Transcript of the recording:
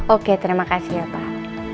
oke terima kasih ya pak